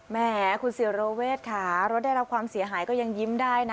แหมคุณศิโรเวทค่ะรถได้รับความเสียหายก็ยังยิ้มได้นะ